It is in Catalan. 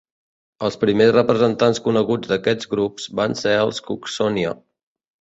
Els primers representants coneguts d'aquests grup van ser els Cooksonia.